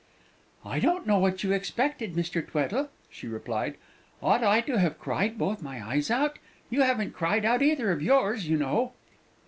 "I don't know what you expected, Mr. Tweddle," she replied. "Ought I to have cried both my eyes out? You haven't cried out either of yours, you know!"